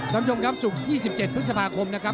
คำชมครับศุกร์๒๗พฤษภาคมนะครับ